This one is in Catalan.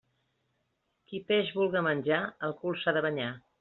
Qui peix vulga menjar, el cul s'ha de banyar.